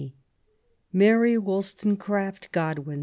197 MARY WOLLSTONECRAFT GODWIN.